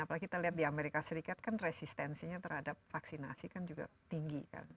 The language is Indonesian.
apalagi kita lihat di amerika serikat kan resistensinya terhadap vaksinasi kan juga tinggi kan